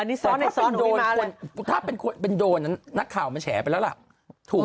อันนี้ซ้อนแล้วที่รู้ว่าอะไรถ้าเป็นคนเป็นโดงนั้นนักข่าวมาแชลไปละละถูก